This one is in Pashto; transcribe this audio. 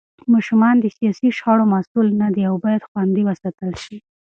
ماشومان د سياسي شخړو مسوول نه دي او بايد خوندي وساتل شي.